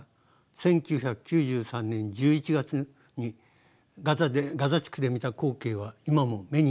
１９９３年１１月にガザ地区で見た光景は今も目に焼き付いています。